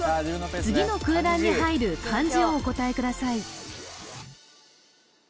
次の空欄に入る漢字をお答えください